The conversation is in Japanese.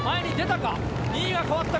２位が変わったか？